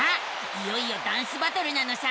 いよいよダンスバトルなのさ！